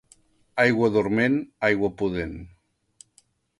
Aigua dorment, aigua pudent.